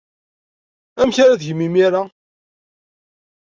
Amek ara tgem imir-a?